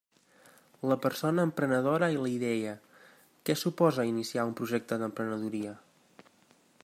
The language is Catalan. La persona emprenedora i la idea: què suposa iniciar un projecte d'emprenedoria.